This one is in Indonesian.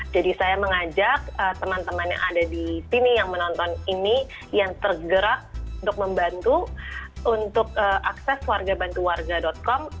jadi saya mengajak teman teman yang ada di sini yang menonton ini yang tergerak untuk membantu untuk akses warga bantu warga com